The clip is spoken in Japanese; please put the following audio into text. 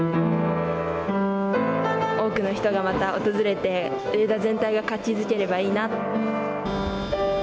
多くの人が、また訪れて上田全体が活気づけばいいな。